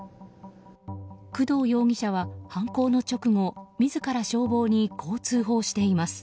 工藤容疑者は犯行の直後自ら消防にこう通報しています。